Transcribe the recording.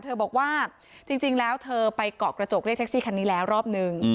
บอกว่าจริงแล้วเธอไปเกาะกระจกเรียกแท็กซี่คันนี้แล้วรอบนึง